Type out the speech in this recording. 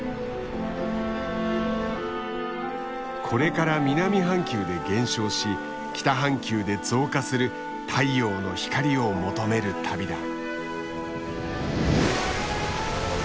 これから南半球で減少し北半球で増加する太陽の光を求める旅だ。